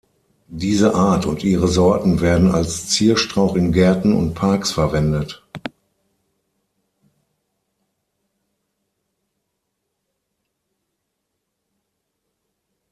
Diese Art und ihre Sorten werden als Zierstrauch in Gärten und Parks verwendet.